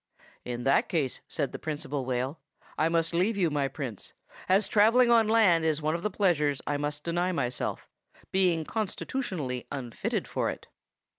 "In that case," said the Principal Whale, "I must leave you, my Prince, as travelling on land is one of the pleasures I must deny myself, being constitutionally unfitted for it."